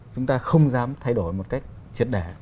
chúng ta không dám thay đổi một cách triệt đẻ